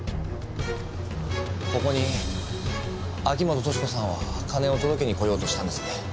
ここに秋本敏子さんは金を届けに来ようとしたんですね。